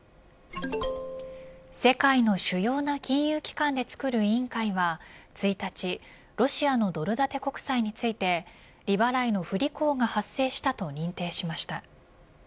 世界の主要な金融機関でつくる委員会は１日ロシアのドル建て国債について利払いの不履行が発生したと認定しました。